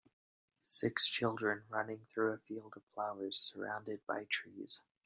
Six children running through a field of flowers surrounded by trees.